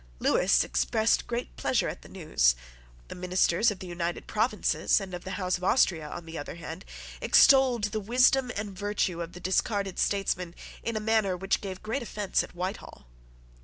Lewis expressed great pleasure at the news. The ministers of the United Provinces and of the House of Austria, on the other hand, extolled the wisdom and virtue of the discarded statesman in a manner which gave great offence at Whitehall.